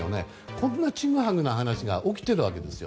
こんな、ちぐはぐな話が起きているわけですよ。